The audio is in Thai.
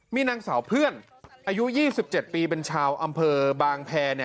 มีนางสาวเพื่อนอายุ๒๗ปีเป็นชาวอำเภอบางแพร